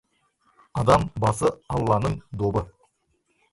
Адам басы — Алланың добы.